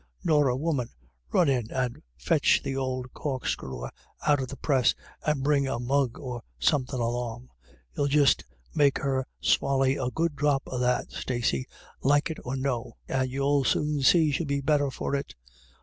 Norah, woman, run in and fetch th'ould cork screwer out of the press, and bring a mug or somethin' along. ... You'll just make her swally a good dhrop of that, Stacey, like it or no, and you'll soon see she'll be the better for it.